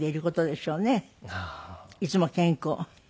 いつも健康。